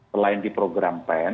selain di program pen